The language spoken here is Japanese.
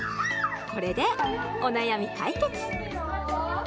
これでお悩み解決！